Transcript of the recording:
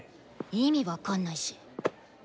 意味分かんないし。